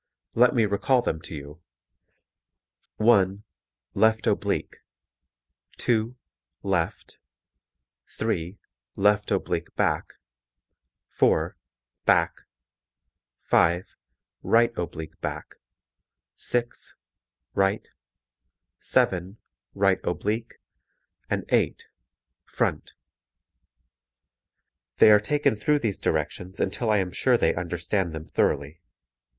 Let me recall them to you: (1) left oblique, (2) left, (3) left oblique back, (4) back, (5) right oblique back, (6) right, (7) right oblique, and (8) front. They are taken through these directions until I am sure they understand them thoroughly.